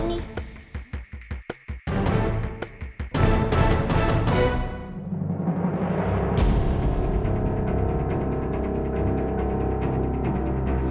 tante kita mau ke rumah